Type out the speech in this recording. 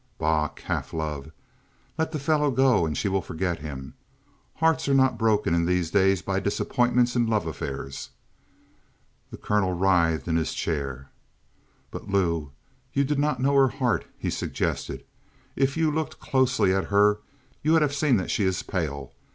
"Bah! Calf love! Let the fellow go and she will forget him. Hearts are not broken in these days by disappointments in love affairs." The colonel writhed in his chair. "But Lou you do not know her heart!" he suggested. "If you looked closely at her you would have seen that she is pale.